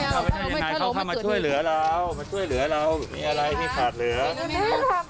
ยังไงเขาทำมาช่วยเหลือเรามาช่วยเหลือเรา